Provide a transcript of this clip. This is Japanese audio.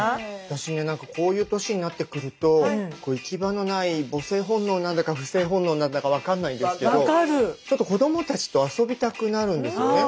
私ね何かこういう年になってくると行き場のない母性本能なんだか父性本能なんだか分かんないんですけどちょっと子どもたちと遊びたくなるんですよね。